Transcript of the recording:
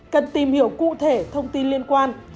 cần tìm hiểu cụ thể thông tin liên quan